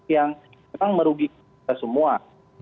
yang merugikan kita semua